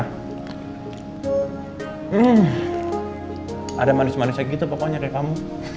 hmm ada manis manisnya gitu pokoknya kayak kamu